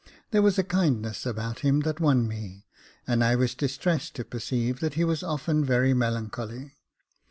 There was a kindness about him that won me, and I was distressed to perceive that he was often very melancholy.